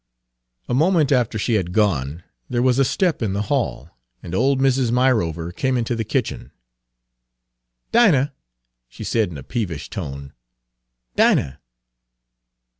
A moment after she had gone, there was a step in the hall, and old Mrs. Myrover came into the kitchen. "Dinah!" she said in a peevish tone; "Dinah!